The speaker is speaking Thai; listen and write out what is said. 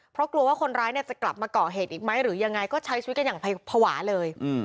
เพราะกลัวว่าคนร้ายเนี่ยจะกลับมาก่อเหตุอีกไหมหรือยังไงก็ใช้ชีวิตกันอย่างภาวะเลย